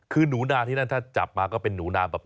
คือหนูนาที่นั่นถ้าจับมาก็เป็นหนูนาแบบ